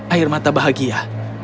air mata bahagia